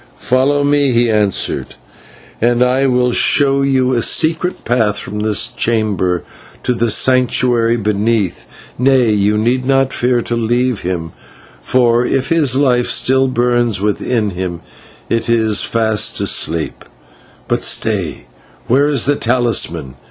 "Follow me," he answered, "and I will show you a secret path from this chamber to the Sanctuary beneath. Nay, you need not fear to leave him, for if his life still burns within him, it is fast asleep. But stay, where is the talisman?